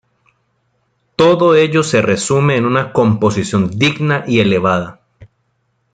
Todo ello se resume en una "composición digna y elevada".